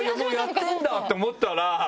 もうやってるんだって思ったら。